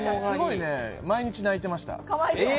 毎日泣いてました。